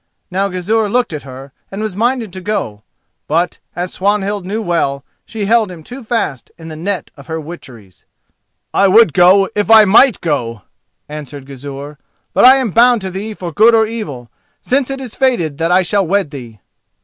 Now Gizur looked at her, and was minded to go; but, as Swanhild knew well, she held him too fast in the net of her witcheries. "I would go, if I might go!" answered Gizur; "but I am bound to thee for good or evil, since it is fated that I shall wed thee."